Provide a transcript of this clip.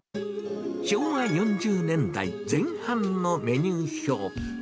昭和４０年代前半のメニュー表。